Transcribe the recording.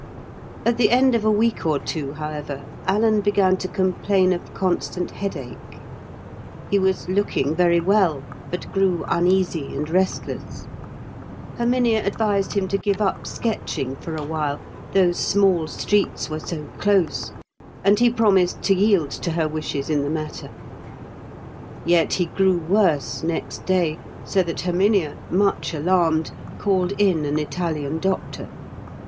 At the end of a week or two, however, Alan began to complain of constant headache. He was looking very well, but grew uneasy and restless. Herminia advised him to give up sketching for a while, those small streets were so close; and he promised to yield to her wishes in the matter. Yet he grew worse next day, so that Herminia, much alarmed, called in an Italian doctor.